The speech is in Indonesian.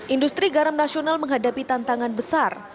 industri garam nasional menghadapi tantangan besar